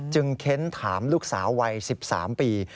เค้นถามลูกสาววัย๑๓ปี